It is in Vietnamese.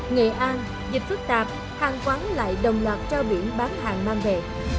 nghệ an dịch phức tạp hàng quán lại đồng loạt treo biển bán hàng mang về